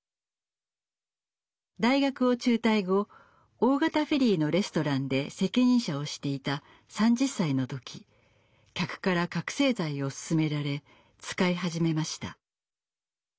大学を中退後大型フェリーのレストランで責任者をしていた３０歳の時客から覚せい剤をすすめられ使い始めました。